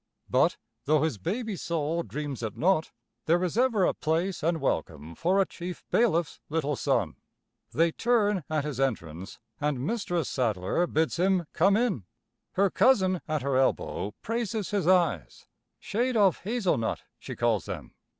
But, though his baby soul dreams it not, there is ever a place and welcome for a chief bailiff's little son. They turn at his entrance, and Mistress Sadler bids him come in; her cousin at her elbow praises his eyes shade of hazel nut, she calls them.